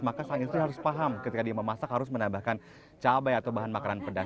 maka sang istri harus paham ketika dia memasak harus menambahkan cabai atau bahan makanan pedas